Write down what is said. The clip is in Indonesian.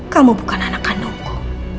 kamu bukan anak kandungku